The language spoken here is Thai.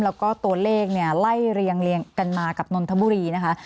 แล้วก็ตัวเลขเนี่ยไล่เรียงกันมากับนนทบุรีนะคะ